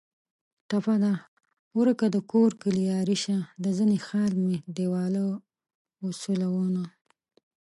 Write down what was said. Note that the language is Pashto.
ټپه ده: ورکه دکور کلي یاري شه د زنې خال مې دېواله و سولونه